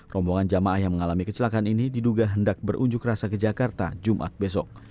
rombongan jamaah yang mengalami kecelakaan ini diduga hendak berunjuk rasa ke jakarta jumat besok